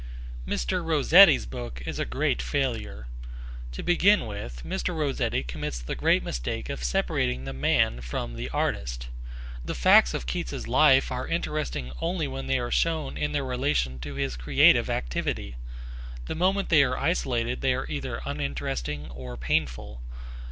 Mr. Rossetti's book is a great failure. To begin with, Mr. Rossetti commits the great mistake of separating the man from the artist. The facts of Keats's life are interesting only when they are shown in their relation to his creative activity. The moment they are isolated they are either uninteresting or painful.